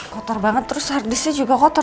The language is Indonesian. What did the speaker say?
kotor banget terus hardisnya juga kotor